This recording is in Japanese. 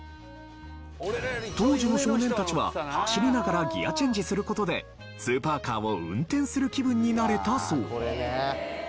当時の少年たちは走りながらギアチェンジする事でスーパーカーを運転する気分になれたそう。